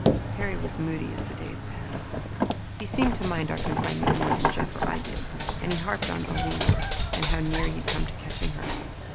Terry was moody as the days passed. He seemed to mind our confinement more than Jeff or I did; and he harped on Alima, and how near he'd come to catching her.